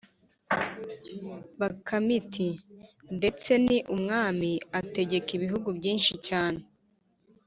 bakame iti: "Ndetse ni umwami, ategeka ibihugu byinshi cyane"